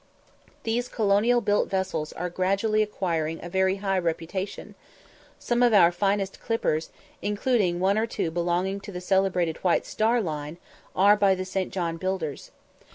These colonial built vessels are gradually acquiring a very high reputation; some of our finest clippers, including one or two belonging to the celebrated "White Star" line, are by the St. John builders.